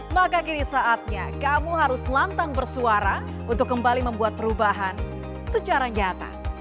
maka kini saatnya kamu harus lantang bersuara untuk kembali membuat perubahan secara nyata